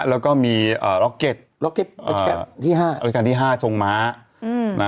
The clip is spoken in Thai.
แล้วก็มีร็อกเก็ตร็อกเก็ตประชับที่๕ทรงม้า